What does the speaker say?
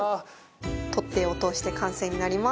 取っ手を通して完成になります。